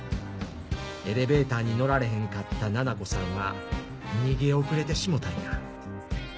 エレベーターに乗られへんかったななこさんは逃げ遅れてしもたんや。